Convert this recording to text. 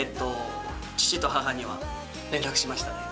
父と母には連絡しましたね。